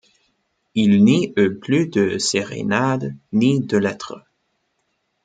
Il n’y eut plus de sérénades ni de lettres.